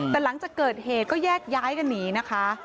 แต่หลังจากเกิดเหตุก็แยกย้ายกันหนีนะคะ